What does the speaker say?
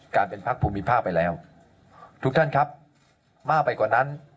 เป็นพักภูมิภาคไปแล้วทุกท่านครับมากไปกว่านั้น